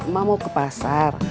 ma mau ke pasar